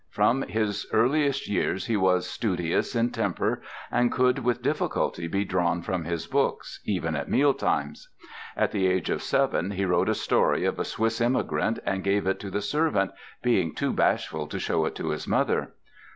From his earliest years he was studious in temper, and could with difficulty be drawn from his books, even at mealtimes. At the age of seven he wrote a story of a Swiss emigrant and gave it to the servant, being too bashful to show it to his mother.